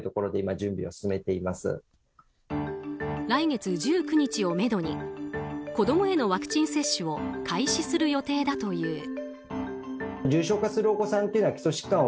来月１９日をめどに子供へのワクチン接種を開始する予定だという。